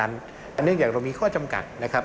อันนี้อย่างเรามีข้อจำกัดนะครับ